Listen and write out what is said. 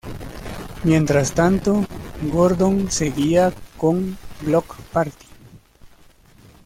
Mientras tanto, Gordon seguía con Bloc Party.